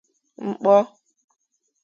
Nkpor